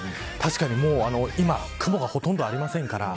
確かに雲がほとんどありませんから。